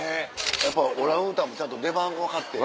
やっぱオランウータンもちゃんと出番分かって。